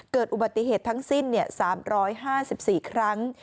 เกิดอุบัติเหตุทั้งสิ้น๓๕๔ครั้ง